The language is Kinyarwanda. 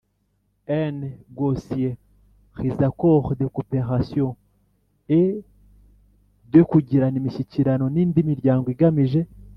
n gocier les accords de coop ration et de kugirana imishyikirano n indi miryango igamije